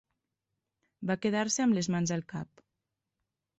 Va quedar-se amb les mans al cap.